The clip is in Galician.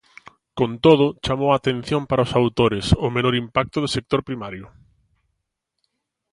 Con todo, chamou a atención para os autores "o menor impacto do sector primario".